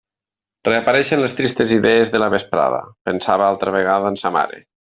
Reapareixien les tristes idees de la vesprada; pensava altra vegada en sa mare.